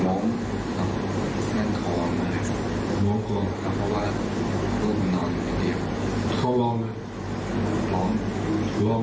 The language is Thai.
หมองมันขอมาหมองขอมาเพราะว่าลูกมันนอนอยู่ที่เตียง